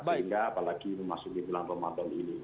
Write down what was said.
sehingga apalagi memasuki bilang pemadam ini